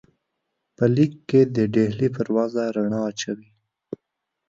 په لیک کې د ډهلي پر وضع رڼا اچوي.